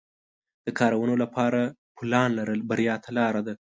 د کارونو لپاره پلان لرل بریا ته لار ده.